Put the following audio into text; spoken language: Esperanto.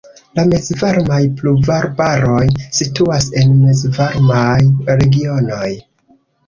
La mezvarmaj pluvarbaroj situas en mezvarmaj regionoj.